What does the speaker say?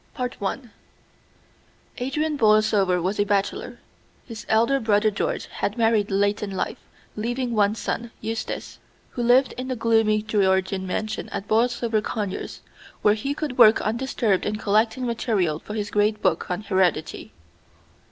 I Adrian Borlsover was a bachelor. His elder brother George had married late in life, leaving one son, Eustace, who lived in the gloomy Georgian mansion at Borlsover Conyers, where he could work undisturbed in collecting material for his great book on heredity.